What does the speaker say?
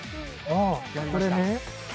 ああこれね。